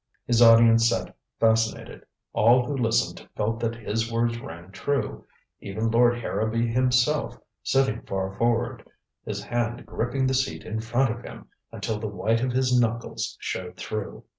His audience sat fascinated. All who listened felt that his words rang true even Lord Harrowby himself, sitting far forward, his hand gripping the seat in front of him, until the white of his knuckles showed through.